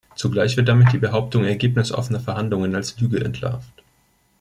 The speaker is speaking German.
Zugleich wird damit die Behauptung ergebnisoffener Verhandlungen als Lüge entlarvt.